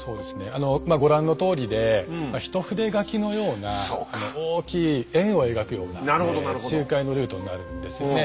あのまあご覧のとおりで一筆書きのような大きい円を描くような周回のルートになるんですよね。